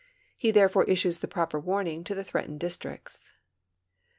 He therefore issued the proper warning to the threatened districts.